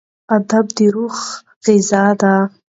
ادب د روح غذا ده.